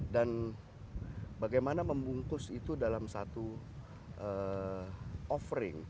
dan bagaimana membungkus itu dalam satu offering